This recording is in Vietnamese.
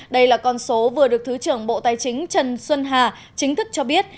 đây là con số vừa được thứ trưởng bộ tài chính trần xuân hà chính thức cho biết